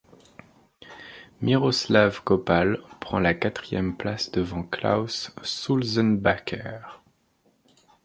Miroslav Kopal prend la quatrième place devant Klaus Sulzenbacher.